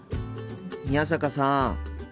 宮坂さん。